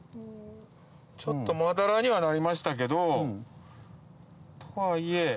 ちょっとまだらにはなりましたけどとはいえ。